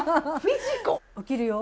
起きるよ。